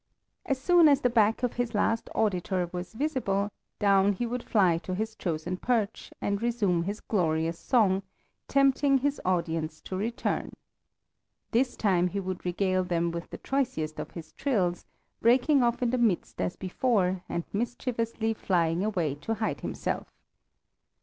As soon as the back of his last auditor was visible down he would fly to his chosen perch and resume his glorious song, tempting his audience to return. This time he would regale them with the choicest of his trills, breaking off in the midst as before and mischievously flying away to hide himself.